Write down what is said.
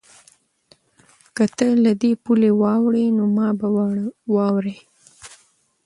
که ته له دې پولې واوړې نو ما به واورې؟